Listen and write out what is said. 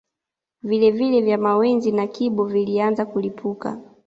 Vilele vya mawenzi na kibo vilianza kulipuka